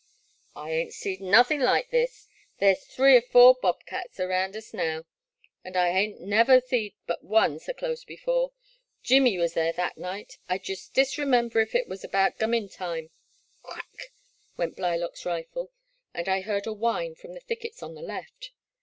I ain't seed nothing like this, — ^there 's three *r four bob cats raound us now, and I ha'n't never seed but one so dose before, — Jimmy was there that night. I jest disremember if it was abaout gummin' time " Crack ! went Blylock*s rifle, and I heard a whine from the thickets on the left.